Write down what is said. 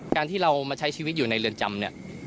การที่เรามาใช้ชีวิตอยู่ในเรือนจำเนี่ย